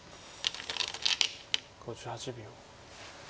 ５８秒。